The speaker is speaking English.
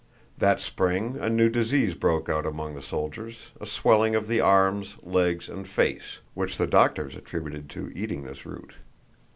That spring a new disease broke out among the soldiers, a swelling of the arms, legs, and face, which the doctors attributed to eating this root.